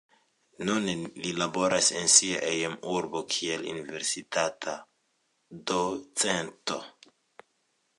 Nun li laboras en sia hejmurbo kiel universitata docento.